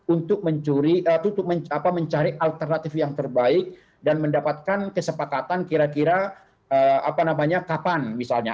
untuk mencari alternatif yang terbaik dan mendapatkan kesepakatan kira kira apa namanya kapan misalnya